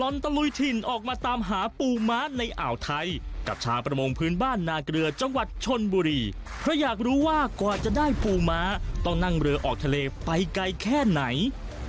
มีความรู้สึกว่ากว่าจะได้ปูม้าต้องนั่งเรือออกทะเลไปไกลแค่ไหน